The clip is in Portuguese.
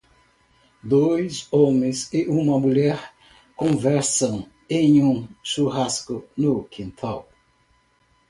Dois homens e uma mulher conversam em um churrasco no quintal.